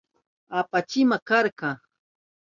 Apanchima karka.